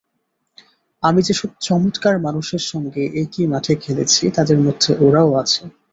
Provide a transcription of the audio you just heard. আমি যেসব চমৎকার মানুষের সঙ্গে একই মাঠে খেলেছি, তাদের মধ্যে ওরাও আছে।